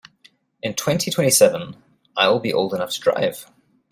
In twenty-twenty-seven I will old enough to drive.